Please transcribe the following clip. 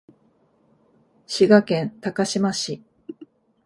滋賀県高島市